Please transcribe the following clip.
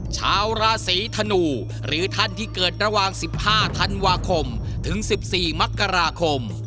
ชาวราศีธนูหรือท่านที่เกิดระหว่าง๑๕ธันวาคมถึง๑๔มกราคม